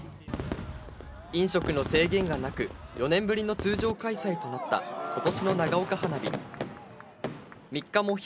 飲食の制限がなく、４年ぶりの通常開催となったことしの長岡花火。